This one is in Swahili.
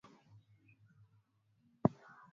wenye ujuzi wa kilimo na uhunzi Kuanzia karne ya